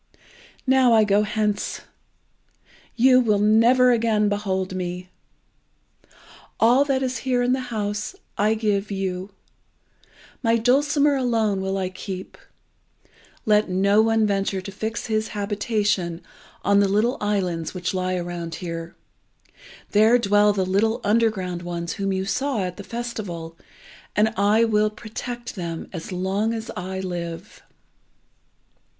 "Now I go hence! You will never again behold me! All that is here in the house I give you! My dulcimer alone will I keep. Let no one venture to fix his habitation on the little islands which lie around here. There dwell the little underground ones whom you saw at the festival, and I will protect them as long as I live."